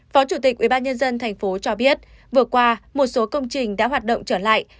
phó chủ tịch ubnd tp cho biết vừa qua một số công trình đã hoạt động trở lại